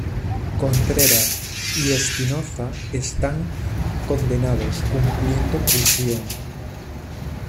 Contreras y Espinoza están condenados cumpliendo prisión.